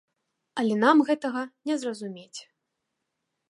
Але нам гэтага не зразумець.